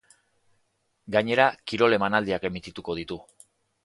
Gainera, kirol emanaldiak emitituko ditu.